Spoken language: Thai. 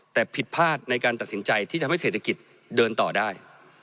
แต่ผิดพลาดในการตัดสินใจที่ทำให้เศรษฐกิจเดินต่อได้